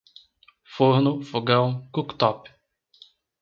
Forno, fogão, cooktop